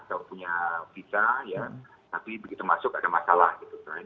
yang punya visa tapi begitu masuk ada masalah gitu kan